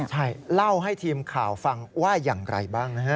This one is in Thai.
ใช่เล่าให้ทีมข่าวฟังว่าอย่างไรบ้างนะฮะ